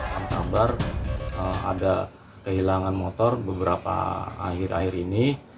pada tahun tahun dua ribu ada kehilangan motor beberapa akhir akhir ini